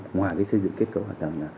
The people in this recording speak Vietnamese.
ngoài xây dựng kết cấu hòa tầng